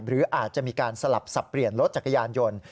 หรืออาจจะมีการสลับสับเปลี่ยนรถจักรยานยนต์